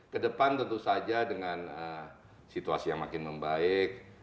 kedepan tentu saja dengan situasi yang makin membaik